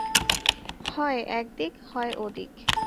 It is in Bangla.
হয় এ দিক, নয় ও দিক।